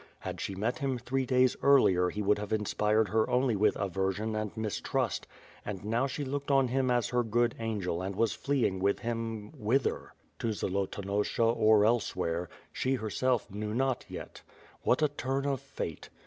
Had she met him three days earlier he would have inspired her only with aversion and mistrust and now she looked on him as her good angel and was fleeing with him — whither? To Zolotonosha or elsewhere — she herself knew not yet. What a turn of Fate!